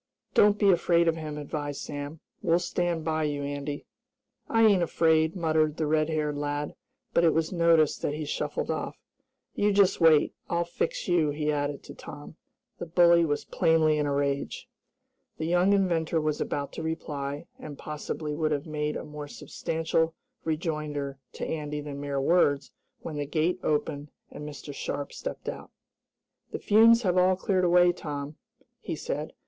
"Don't be afraid of him," advised Sam. "We'll stand by you, Andy." "I ain't afraid," muttered the red haired lad, but it was noticed that he shuffled off. "You just wait, I'll fix you," he added to Tom. The bully was plainly in a rage. The young inventor was about to reply, and, possibly would have made a more substantial rejoinder to Andy than mere words, when the gate opened, and Mr. Sharp stepped out. "The fumes have all cleared away, Tom," he said.